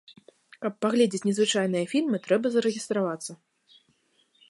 Каб паглядзець незвычайныя фільмы, трэба зарэгістравацца.